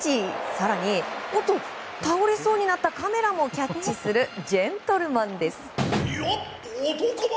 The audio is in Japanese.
更に、倒れそうになったカメラもキャッチするジェントルマンです。